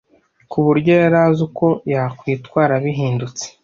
ku buryo yari azi uko yakwitwara bihindutse